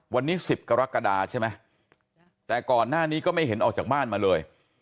วันนี้๑๐กรกฎาใช่ไหมแต่ก่อนหน้านี้ก็ไม่เห็นออกจากบ้านมาเลย